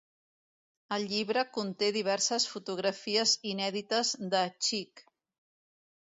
El llibre conté diverses fotografies inèdites de Chick.